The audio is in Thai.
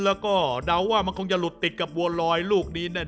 แล้วก็เดาว่ามันคงจะหลุดติดกับบัวลอยลูกนี้แน่